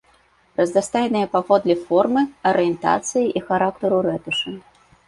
Разнастайныя паводле формы, арыентацыі і характару рэтушы.